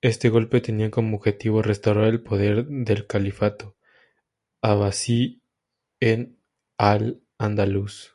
Este golpe tenía como objetivo restaurar el poder del califato abbasí en al-Ándalus.